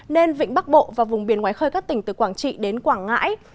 nên vịnh bắc bộ và vùng biển ngoài khơi các tỉnh từ quảng trị đến quảng ngãi